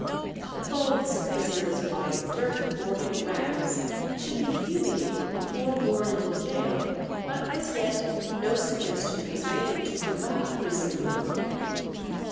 The clothes of prisoners arriving dirty, or in rags, should be fumigated before worn in the gaol, but as yet no suggestion was made to provide prison uniform.